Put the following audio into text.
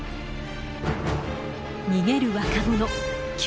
逃げる若者急